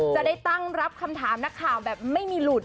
จะได้ตั้งรับคำถามนักข่าวแบบไม่มีหลุด